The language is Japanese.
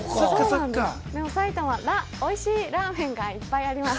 埼玉はおいしいラーメンがいっぱいあります。